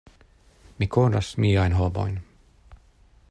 Mi konas miajn homojn.